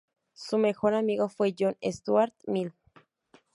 Su mejor amigo fue John Stuart Mill.